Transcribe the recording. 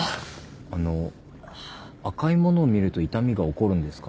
あの赤いものを見ると痛みが起こるんですか？